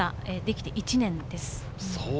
まだできて１年です。